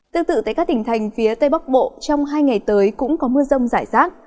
tương tự tại các tỉnh thành phía tây bắc bộ trong hai ngày tới cũng có mưa rông rải rác